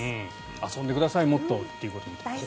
遊んでください、もっとっていうことですね。